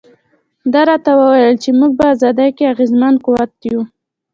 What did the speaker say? ده راته وویل چې موږ په ازادۍ کې اغېزمن قوت یو.